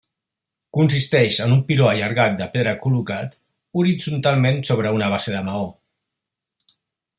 Consisteix en un piló allargat de pedra col·locat horitzontalment sobre una base de maó.